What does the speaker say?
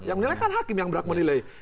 yang menilai kan hakim yang berhak menilai